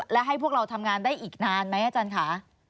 และให้พวกเราทำงานได้อีกนานไหมอาจารย์ค่ะ